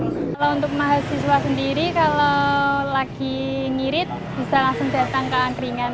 kalau untuk mahasiswa sendiri kalau lagi ngirit bisa langsung datang ke angkringan